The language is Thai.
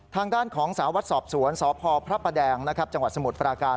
ทางด้านของสารวัตรสอบสวนสพพระประแดงนะครับจังหวัดสมุทรปราการ